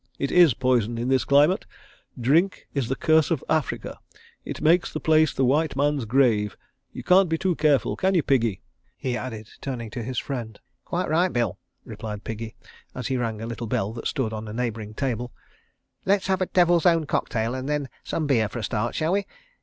It is poison, in this climate. Drink is the curse of Africa. It makes the place the White Man's Grave. You can't be too careful. ... Can you, Piggy?" he added, turning to his friend. "Quite right, Bill," replied "Piggy," as he rang a little bell that stood on a neighbouring table. "Let's have a 'Devil's Own' cocktail and then some beer for a start, shall we? ..